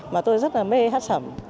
mà tôi rất là mê hát sầm